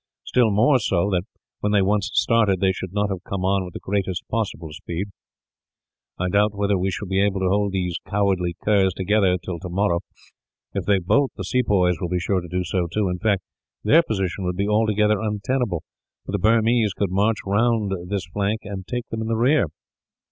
Still more so that, when they once started, they should not have come on with the greatest possible speed. I doubt whether we shall be able to hold these cowardly curs together till tomorrow. If they bolt, the sepoys will be sure to do so, too; in fact, their position would be altogether untenable, for the Burmese could march round this flank and take them in rear.